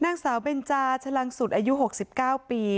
นางสาวเบนจาชะลังสุดอายุ๖๙ปี